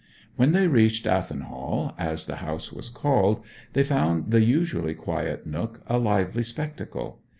When they reached Athelhall, as the house was called, they found the usually quiet nook a lively spectacle.